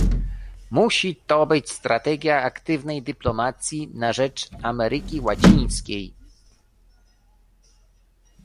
Musi to być strategia aktywnej dyplomacji na rzecz Ameryki Łacińskiej